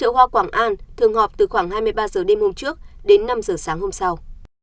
điệu hoa quảng an thường họp từ khoảng hai mươi ba h đêm hôm trước đến năm h sáng hôm sau